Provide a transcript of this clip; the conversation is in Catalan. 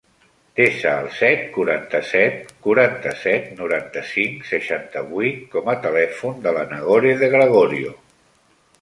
Desa el set, quaranta-set, quaranta-set, noranta-cinc, seixanta-vuit com a telèfon de la Nagore De Gregorio.